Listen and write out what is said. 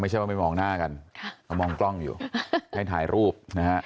ไม่ใช่ว่าไม่มองหน้ากันเขามองกล้องอยู่ให้ถ่ายรูปนะฮะ